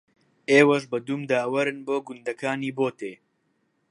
ئێوەش بە دوومدا وەرن بۆ گوندەکانی بۆتێ